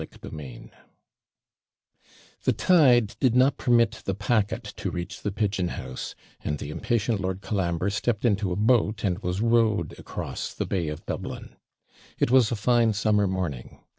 CHAPTER VI The tide did not permit the packet to reach the Pigeon house, and the impatient Lord Colambre stepped into a boat, and was rowed across the bay of Dublin. It was a fine summer morning.